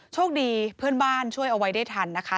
โชคดีเพื่อนบ้านช่วยเอาไว้ได้ทันนะคะ